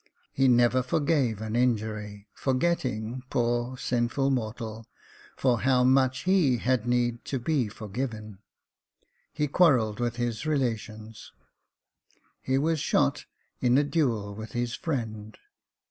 He never forgave an injury, forgetting, poor, sinful mortal, for how much he had need to be forgiven. He quarrelled with his relations ; he was shot in a duel with his friend